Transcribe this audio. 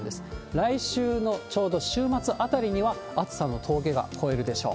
来週のちょうど週末あたりには、暑さの峠は越えるでしょう。